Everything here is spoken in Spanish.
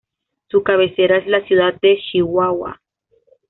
Su cabecera es la ciudad de Chihuahua.